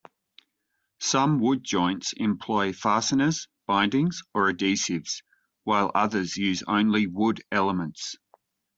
Some wood joints employ fasteners, bindings, or adhesives, while others use only wood elements.